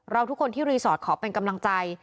ทุกคนที่รีสอร์ทขอเป็นกำลังใจ